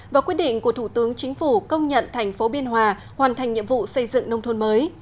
và quyết định của thủ tướng chính phủ công nhận thành phố biên hòa hoàn thành nhiệm vụ xây dựng nông thôn mới